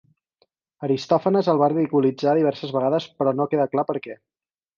Aristòfanes el va ridiculitzar diverses vegades però no queda clar per què.